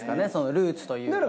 ルーツというか。